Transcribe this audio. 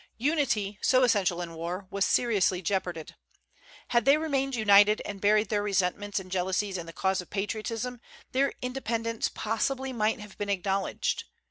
Unity, so essential in war, was seriously jeoparded. Had they remained united, and buried their resentments and jealousies in the cause of patriotism, their independence possibly might have been acknowledged.